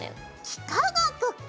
幾何学か。